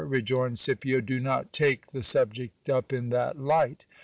rejoined Scipio, do not take the s abject up in that light.